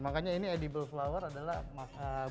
makanya ini edible flower adalah bunga yang bisa dimakan